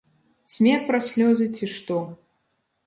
Смех праз слёзы, ці што.